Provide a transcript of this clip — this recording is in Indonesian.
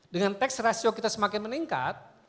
dengan tax ratio kita semakin meningkat